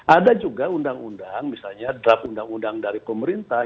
ada juga undang undang misalnya draft undang undang dari pemerintah